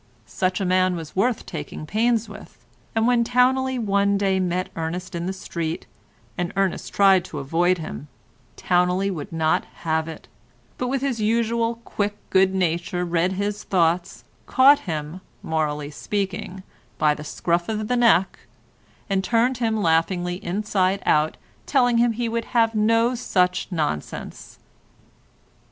Such a man was worth taking pains with, and when Towneley one day met Ernest in the street, and Ernest tried to avoid him, Towneley would not have it, but with his usual quick good nature read his thoughts, caught him, morally speaking, by the scruff of his neck, and turned him laughingly inside out, telling him he would have no such nonsense.